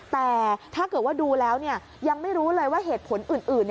แต่ถ้าเกิดว่าดูแล้วยังไม่รู้เลยว่าเหตุผลอื่น